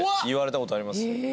言われたことあります。